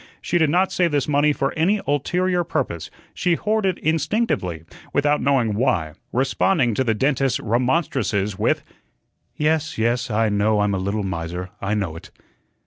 She did not save this money for any ulterior purpose, she hoarded instinctively, without knowing why, responding to the dentist's remonstrances with: "Yes, yes, I know I'm a little miser, I know it."